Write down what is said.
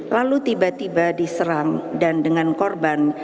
lalu tiba tiba diserang dan dengan korban